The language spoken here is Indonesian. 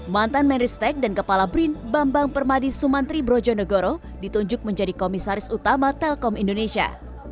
mantan menristek dan kepala brin bambang permadi sumantri brojonegoro ditunjuk menjadi komisaris utama telkom indonesia